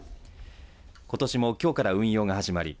ことしもきょうから運用が始まり